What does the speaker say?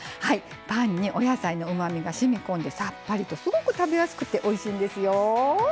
パンにお野菜のうまみがしみこんでさっぱりと、すごく食べやすくておいしいんですよ。